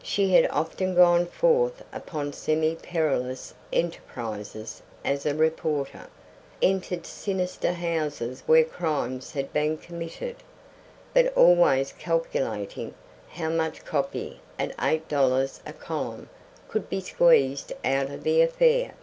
She had often gone forth upon semi perilous enterprises as a reporter, entered sinister houses where crimes had been committed, but always calculating how much copy at eight dollars a column could be squeezed out of the affair.